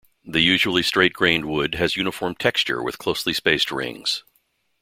The usually straight-grained wood has uniform texture with closely spaced rings.